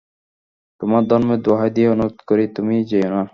তোমার ধর্মের দোহাই দিয়ে অনুরোধ করি তুমি যেয়ো না।